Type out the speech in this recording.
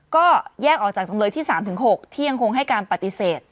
ก็แยกออกจากจำเลยที่๓๖ที่ยังคงให้การปฏิเสธ